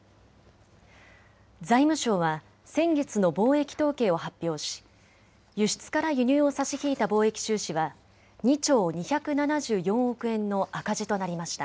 財務省は先月の貿易統計を発表し輸出から輸入を差し引いた貿易収支は２兆２７４億円の赤字となりました。